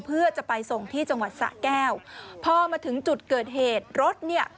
เพื่อจะไปส่งที่จังหวัดสะแก้วพอมาถึงจุดเกิดเหตุรถเนี่ย